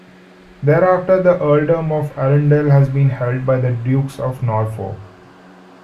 Thereafter the Earldom of Arundel has been held by the Dukes of Norfolk.